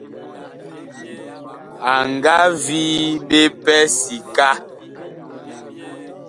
A nga vii ɓe pɛ sika.